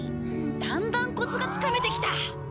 だんだんコツがつかめてきた。